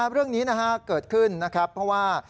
เรื่องนี้เกิดขึ้นเพราะว่า